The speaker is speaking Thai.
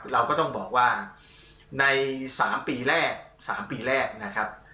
เราก็ต้องบอกว่าใน๓ปีแรก